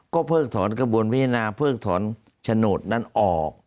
ก็เพิ่งถอนกระบวนพระพยนาเพิ่งถอนโฉนดนั้นออก